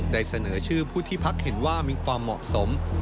เสนอชื่อผู้ที่พักเห็นว่ามีความเหมาะสม